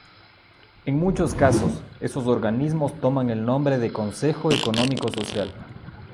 En muchos casos, esos organismos toman el nombre de consejo económico social.